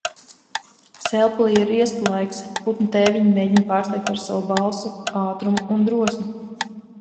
Sēlpilī ir riesta laiks. Putnu tēviņi mēģina pārsteigt ar savu balsi, ātrumu un drosmi.